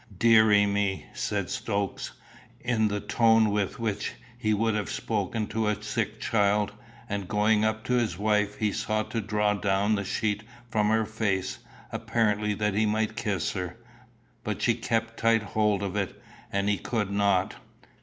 "Deary me!" said Stokes, in the tone with which he would have spoken to a sick child; and going up to his wife, he sought to draw down the sheet from her face, apparently that he might kiss her; but she kept tight hold of it, and he could not.